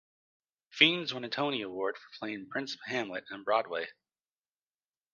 Fiennes won a Tony Award for playing Prince Hamlet on Broadway.